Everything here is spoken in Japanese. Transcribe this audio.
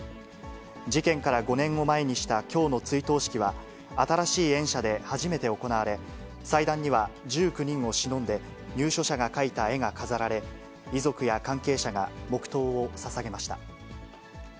事件から５年を前にしたきょうの追悼式は、新しい園舎で初めて行われ、祭壇には１９人をしのんで、入所者が描いた絵が飾られ、遺族や関係者が黙とうをささげました。